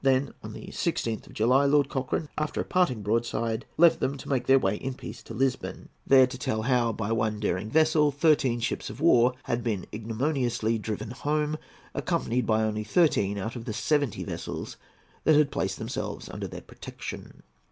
Then, on the 16th of July, Lord Cochrane, after a parting broadside, left them to make their way in peace to Lisbon, there to tell how, by one daring vessel, thirteen ships of war had been ignominiously driven home, accompanied by only thirteen out of the seventy vessels that had placed themselves under their protection.